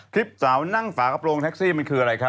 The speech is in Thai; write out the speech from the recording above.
คลิปสาวนั่งฝากระโปรงแท็กซี่มันคืออะไรครับ